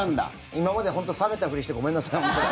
今まで本当に冷めたふりしてごめんなさい。